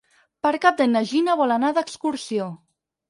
Per Cap d'Any na Gina vol anar d'excursió.